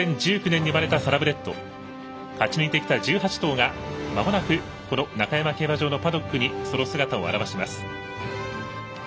２０１９年に生まれたサラブレッド勝ち抜いてきた１８頭がまもなく、この中山競馬場のパドックにその姿を現します。